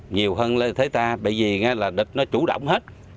nhiều hơn lợi thế ta bởi vì nghe là địch nó chủ động hết